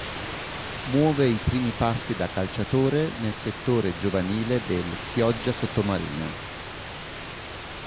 Muove i primi passi da calciatore nel settore giovanile del Chioggia Sottomarina.